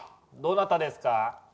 どなたですか？